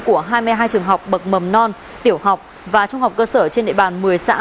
của hai mươi hai trường học bậc mầm non tiểu học và trung học cơ sở trên địa bàn một mươi xã